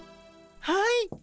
はい。